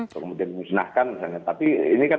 kemudian musnahkan misalnya tapi ini kan